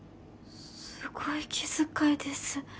すごい気遣いです。